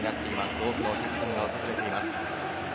多くのお客さんが訪れています。